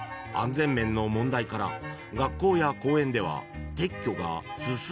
全面の問題から学校や公園では撤去が進んでいるんだそう］